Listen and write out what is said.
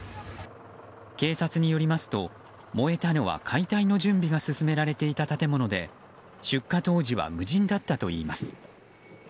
警察によりますと燃えたのは解体の準備が進められていた建物で出火当時は無人だったといいます。